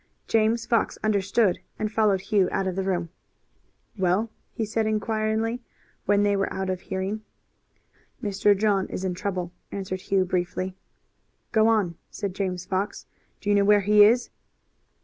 James Fox understood and followed Hugh out of the room. "Well," he said inquiringly when they were out of hearing. "Mr. John is in trouble," answered Hugh briefly. "Go on," said James Fox. "Do you know where he is?"